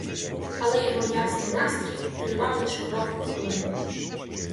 Але його ясний настрій тривав лиш коротку хвилину.